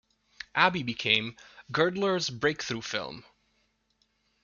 "Abby" became Girdler's breakthrough film.